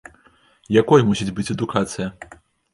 Якой мусіць быць адукацыя?